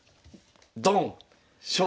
ドン！